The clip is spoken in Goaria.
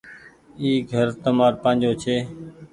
اي گھر تمآر پآجو ڇي۔